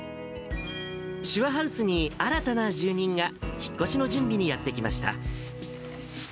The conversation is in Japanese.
しゅわハウスに新たな住人が、引っ越しの準備にやって来ました。